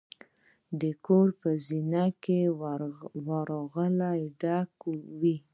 د کور په زینه کې ورغله ډکې وې.